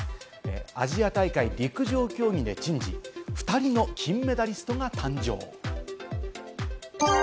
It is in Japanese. アジア大会、陸上競技で珍事、２人の金メダリストが誕生。